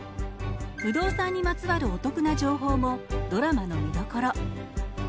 不動産にまつわるお得な情報もドラマの見どころ。